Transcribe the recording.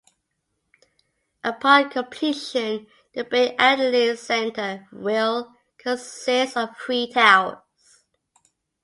Upon completion, the Bay Adelaide Centre will consist of three towers.